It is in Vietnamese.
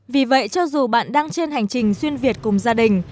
vì vậy cho dù bạn đang trên hành trình xuyên việt cùng gia đình